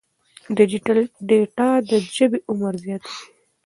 ډیجیټل ډیټا د ژبې عمر زیاتوي.